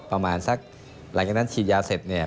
ประมาณสักหลังจากนั้นฉีดยาเสร็จเนี่ย